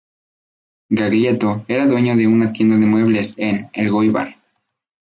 Baglietto era dueño de una tienda de muebles en Elgóibar.